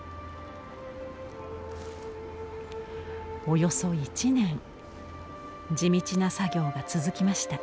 およそ１年地道な作業が続きました。